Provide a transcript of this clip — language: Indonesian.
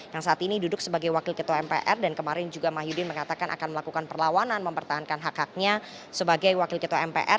yang saat ini duduk sebagai wakil ketua mpr dan kemarin juga mahyudin mengatakan akan melakukan perlawanan mempertahankan hak haknya sebagai wakil ketua mpr